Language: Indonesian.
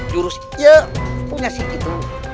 jurus iya punya si itu